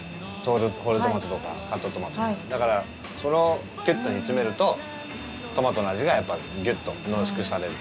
だからそれをキュッと煮詰めるとトマトの味がやっぱギュッと濃縮される。